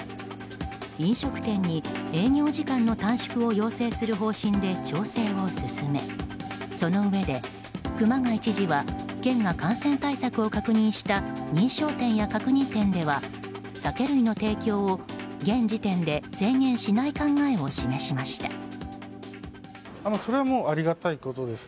飲食店に営業時間の短縮を要請する方針で調整を進めそのうえで熊谷知事は県が感染対策を確認した認証店や確認店では酒類の提供を現時点で制限しない考えを示しました。